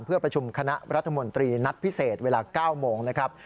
เพื่อประชุมคณะรัฐมนตรีนัดพิเศษเวลา๙โมงนะครับ